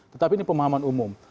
tetapi ini pemahaman umum